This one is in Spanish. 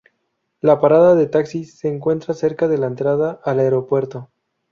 La parada de taxis se encuentra cerca de la entrada al aeropuerto.